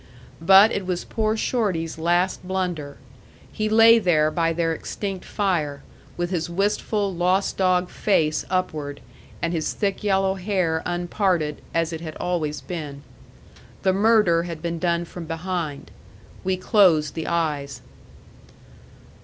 But it was poor Shorty's last blunder. He lay there by their extinct fire, with his wistful, lost dog face upward, and his thick yellow hair unparted as it had always been. The murder had been done from behind. We closed the eyes.